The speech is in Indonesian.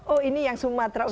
oh ini yang sumatera utara